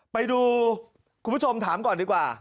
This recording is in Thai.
ไปดูคุณผู้ชมถามก่อนดีกว่า